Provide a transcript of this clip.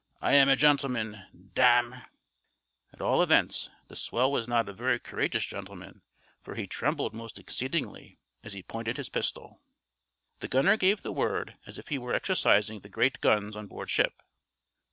I'm a gentleman, damme!" At all events, the swell was not a very courageous gentleman, for he trembled most exceedingly as he pointed his pistol. The gunner gave the word as if he were exercising the great guns on board ship.